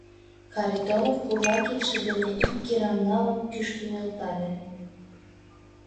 — Харитонов пурла кидше дене ик кирам налын, кӱшкӧ нӧлтале.